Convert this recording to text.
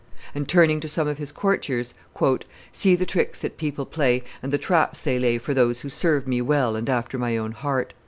And turning to some of his courtiers, "See the tricks that people play, and the traps they lay for those who serve me well and after my own heart.